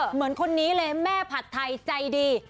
เหมือนคนนี้เลยแม่ผัดไทยใจดี